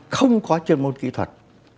không có chuyên môn kỹ thuật